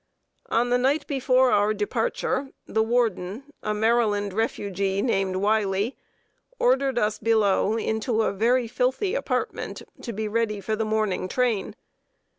"] On the night before our departure, the warden, a Maryland refugee, named Wiley, ordered us below into a very filthy apartment, to be ready for the morning train.